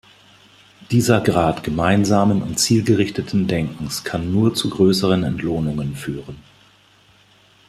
Dieser Grad gemeinsamen und zielgerichteten Denkens kann nur zu größeren Entlohnungen führen.